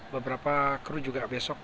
beberapa kru juga besok